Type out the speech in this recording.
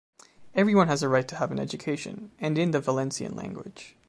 Everyone has the right to have an education, and in the Valencian language.